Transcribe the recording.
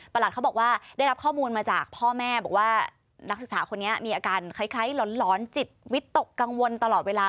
เขาบอกว่าได้รับข้อมูลมาจากพ่อแม่บอกว่านักศึกษาคนนี้มีอาการคล้ายหลอนจิตวิตกกังวลตลอดเวลา